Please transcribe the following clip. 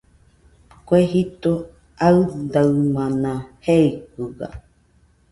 Kue jito aɨdaɨmana jeikɨga